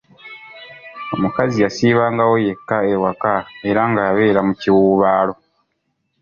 Omukazi yasiibangawo yekka ewaka era nga abeera mu kiwuubaalo.